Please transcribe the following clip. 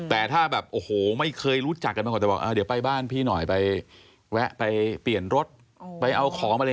แต่ถ้าแบบโอ้โฮไม่เคยรู้จักกันกันค่ะแต่ว่าเอาเดี๋ยวไปบ้านพี่หน่อยไปไว้ปิ่นรถไปเอาของอะไร